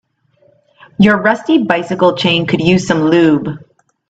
Your rusty bicycle chain could use some lube.